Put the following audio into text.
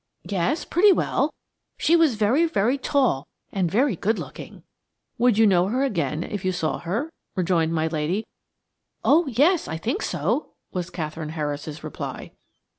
"Yes, pretty well. She was very, very tall, and very good looking." "Would you know her again if you saw her?" rejoined my dear lady. "Oh, yes; I think so," was Katherine Harris's reply.